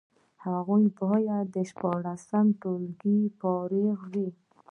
هغوی باید د شپاړسم ټولګي فارغان وي.